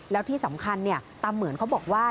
แล้วที่สำคัญตามเหมือนเขาบอกว่า